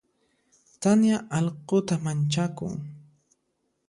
Tania allquta manchakun.